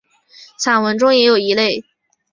散文中也有一类。